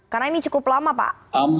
karena ini cukup lama pak